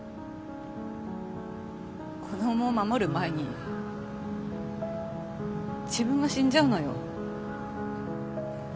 子供を守る前に自分が死んじゃうのよ。